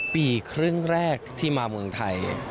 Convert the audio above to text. ปีครึ่งแรกที่มาเมืองไทย